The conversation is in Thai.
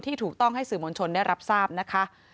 ถูกต้องให้สื่อมวลชนได้รับทราบนะคะ